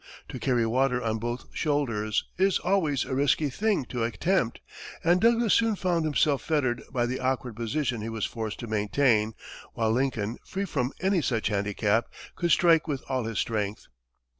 To carry water on both shoulders is always a risky thing to attempt, and Douglas soon found himself fettered by the awkward position he was forced to maintain; while Lincoln, free from any such handicap, could strike with all his strength.